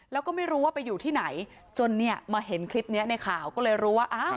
แล้วก็ไม่รู้ว่าไปอยู่ที่ไหนจนเนี่ยมาเห็นคลิปนี้ในข่าวก็เลยรู้ว่าอ้าว